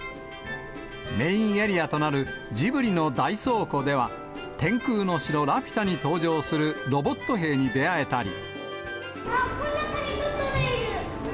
メインエリアとなるジブリの大倉庫では、天空の城ラピュタに登場するロボット兵に出会えたり。